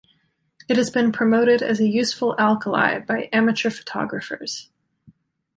It has been promoted as a useful alkali by amateur photographers.